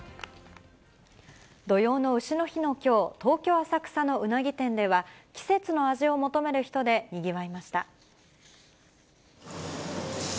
土用のうしの日のきょう、東京・浅草のウナギ店では、季節の味を求める人でにぎわいました。